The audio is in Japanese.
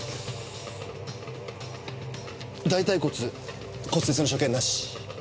大腿骨骨折の所見なし。